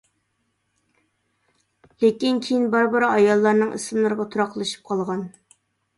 لېكىن كىيىن بارا-بارا ئاياللارنىڭ ئىسىملىرىغا تۇراقلىشىپ قالغان.